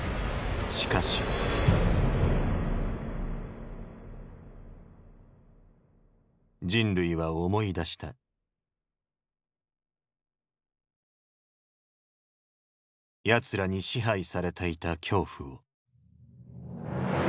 しかし人類は思い出したヤツらに支配されていた恐怖を。